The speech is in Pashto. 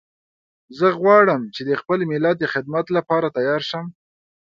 زه غواړم چې د خپل ملت د خدمت لپاره تیار شم